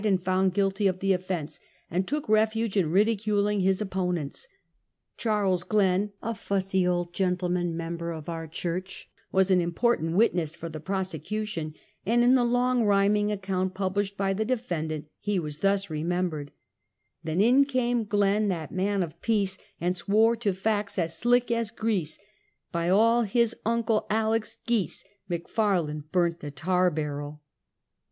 and found guilty of tlie offense, and took revenge in ridiculing his opponents. Charles Glenn, a fussj old gentleman, member of our church, was an important witness for the prosecution, and in the long, rhyming account published by the defendant, he was thus re membered: " Then in came Glenn, that man of peace, And swore to facts as sleek as grease; By all his Uncle Aleck's geese, McFarland burnt the tar barrel.'